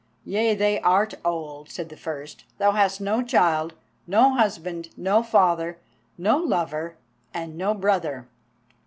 "Yea, thou art old," said the first. "Thou hast no child, no husband, no father, no lover, and no brother.